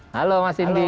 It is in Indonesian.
halo mas indi